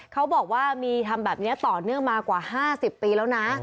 เขาบอกว่ามีทำแบบนี้ต่อเนื่องมากว่า๕๐ปีแล้วนะ